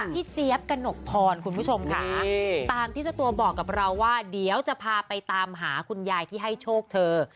เจี๊ยบกระหนกพรคุณผู้ชมค่ะตามที่เจ้าตัวบอกกับเราว่าเดี๋ยวจะพาไปตามหาคุณยายที่ให้โชคเธอ